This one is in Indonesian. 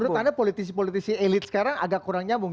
menurut anda politisi politisi elit sekarang agak kurang nyambung